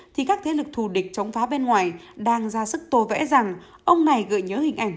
thì các thế lực thù địch chống phá bên ngoài đang ra sức tô vẽ rằng ông này gợi nhớ hình ảnh